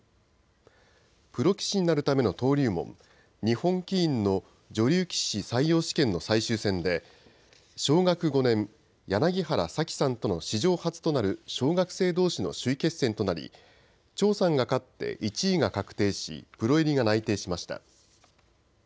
プロ棋士になるための登竜門日本棋院の女流棋士採用試験の最終戦で小学５年ヤナギ原咲輝さんとの史上初となる小学生どうしの首位決戦となり張さんが勝って１位が確定しプロ入りが内定しました。